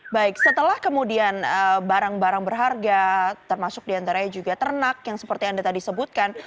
baik setelah kemudian barang barang berharga termasuk diantaranya juga ternak yang seperti anda tadi sebutkan